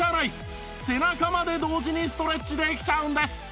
背中まで同時にストレッチできちゃうんです